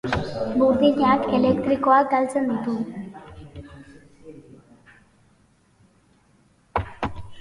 Burdinak elektroiak galtzen ditu.